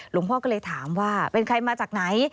หลวงพ่อก็เลยถามว่าเป็นใครมาจากไหน